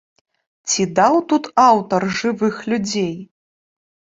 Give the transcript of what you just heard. Ці даў тут аўтар жывых людзей?